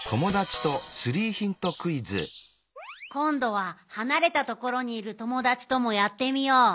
こんどははなれたところにいるともだちともやってみよう。